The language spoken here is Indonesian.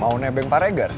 mau nebeng pak regar